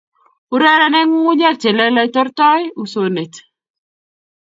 Urereni ngungunyek che lelach tortoi usonet